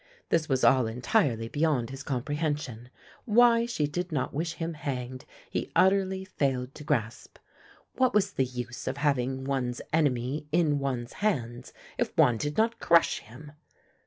This was all entirely beyond his comprehension; why she did not wish him hanged he utterly failed to grasp. What was the use of having one's enemy in one's hands if one did not crush him?